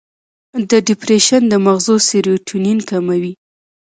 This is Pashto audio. د ډیپریشن د مغز سیروټونین کموي.